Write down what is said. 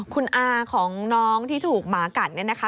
คุณอาของน้องที่ถูกหมากัดเนี่ยนะคะ